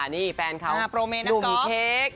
นี่แฟนเขาลูมกลูมีเค้ก